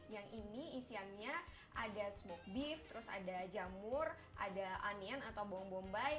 yang ini isiannya ada smoke beef terus ada jamur ada onion atau bawang bombay